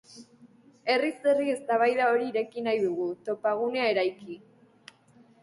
Herriz herri eztabaida hori ireki nahi dugu, topagunea eraiki.